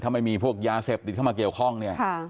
ถ้าไม่มีพวกยาเสพติดเข้ามาเกี่ยวข้องเนี่ย